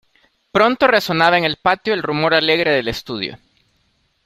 Pronto resonaba en el patio el rumor alegre del estudio.